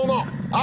あ！